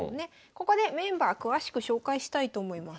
ここでメンバー詳しく紹介したいと思います。